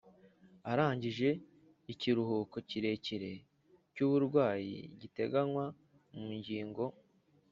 arangije ikiruhuko kirekire cy’uburwayi giteganywa mu ngingo